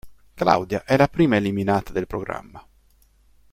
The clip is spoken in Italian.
Claudia è la prima eliminata del programma.